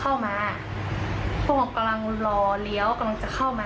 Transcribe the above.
เขาเห็นรถพ่ออย่างนี้เขาจำได้